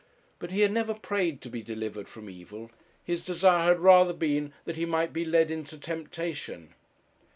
But he had never prayed to be delivered from evil. His desire had rather been that he might be led into temptation.